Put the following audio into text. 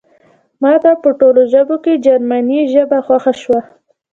ماته په ټولو ژبو کې جرمني ژبه خوښه شوه